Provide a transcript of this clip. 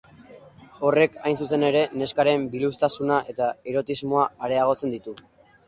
Horrek, hain zuzen ere, neskaren biluztasuna eta erotismoa areagotzen ditu.